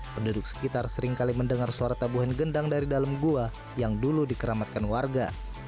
penduduk sekitar seringkali mendengar suara tabuhan gendang dari dalam gua yang dulu dikeramatkan warga